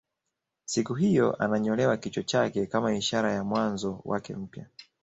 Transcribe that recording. Siku hiyo ananyolewa kichwa chake kama ishara ya mwanzo wake mpya